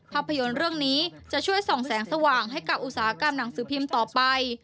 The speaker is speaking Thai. ภาพยนตร์เรื่องนี้จะช่วยส่องแสงสว่างให้กับอุตสาหกรรมหนังสือพิมพ์ต่อไป